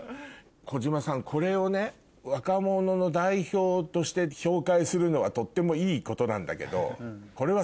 小嶋さんこれをね若者の代表として紹介するのはとってもいいことなんだけど。